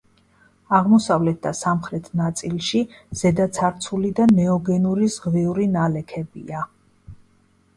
აღმოსავლეთ და სამხრეთ ნაწილში ზედაცარცული და ნეოგენური ზღვიური ნალექებია.